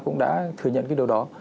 cũng đã thừa nhận cái điều đó